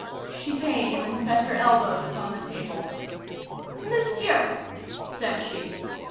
She came and set her elbows on the table. "Monsieur," said she.